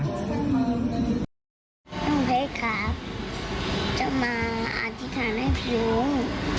น้องเพลสครับจะมาอาธิษฐานให้พี่รุ้ง